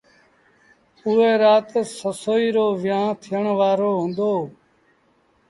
اُئي رآت سسئيٚ رو ويهآݩ ٿيٚڻ وآرو هُݩدو۔